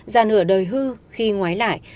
già nửa đời hư khi ngoái lại